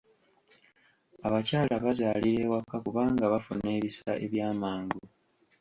Abakyala bazaalira ewaka kubanga bafuna ebisa eby'amangu.